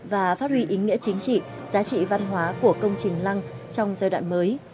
và phát huy ý nghĩa chính trị giá trị văn hóa của công trình lăng trong giai đoạn mới